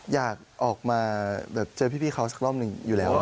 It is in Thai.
อยากออกมาเจอพี่เขาสักรอบหนึ่งอยู่แล้ว